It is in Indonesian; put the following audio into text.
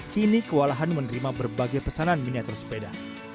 kini kewalahan menerima berbagai pesanan miniatur sepeda